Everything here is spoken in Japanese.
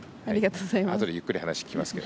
あとでゆっくり話を聞きますが。